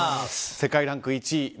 世界ランク１位